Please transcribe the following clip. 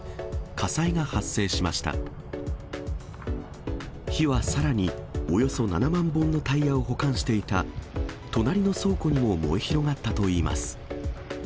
火はさらにおよそ７万本のタイヤを保管していた隣の倉庫にも燃え広がったといいます。